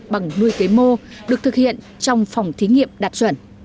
một nuôi cấy mô được thực hiện trong phòng thí nghiệm đạt chuẩn